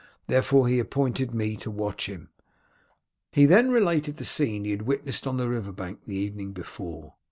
Therefore he appointed me to watch him." He then related the scene he had witnessed on the river bank the evening before.